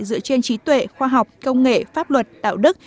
dựa trên trí tuệ khoa học công nghệ pháp luật đạo đức